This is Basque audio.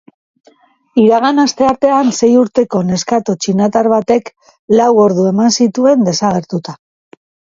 Iragan asteartean sei urteko neskato txinatar batek lau ordu eman zituen desagertuta.